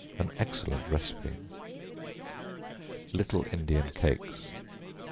An excellent recipe. Little Indian Cakes.